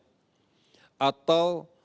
atau disiplin yang berdasarkan penyelenggaraan psbb